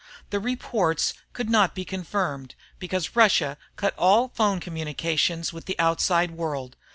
The reports could not be confirmed because Russia had cut all phone communication with the outside world.